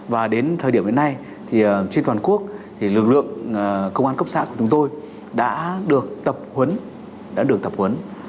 và đến thời điểm hiện nay trên toàn quốc lực lượng công an cấp xã của chúng tôi đã được tập huấn